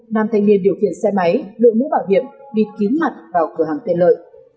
nam thanh niên điều khiển xe máy lựa mũ bảo hiểm bị kín mặt vào cửa hàng tiện lợi